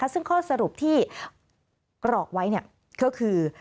ซึ่งข้อสรุปที่กรอกไว้ก็คือ